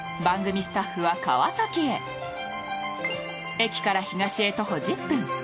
駅から東へ徒歩１０分。